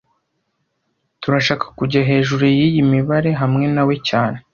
Turashaka kujya hejuru yiyi mibare hamwe nawe cyane